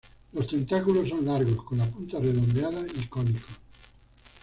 Los tentáculos son largos, con la punta redondeada y cónicos.